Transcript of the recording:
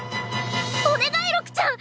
お願い六ちゃん！